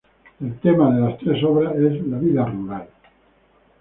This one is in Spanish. El tema de las tres obras es la vida rural.